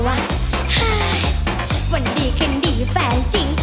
วันดีคืนดีแฟนจริง